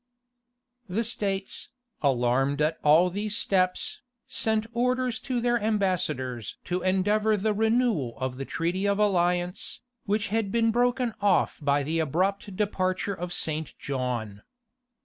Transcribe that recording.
The states, alarmed at all these steps, sent orders to their ambassadors to endeavor the renewal of the treaty of alliance, which had been broken off by the abrupt departure of St. John.